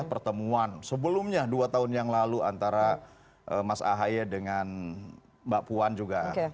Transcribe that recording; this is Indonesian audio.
pertemuan sebelumnya dua tahun yang lalu antara mas ahy dengan mbak puan juga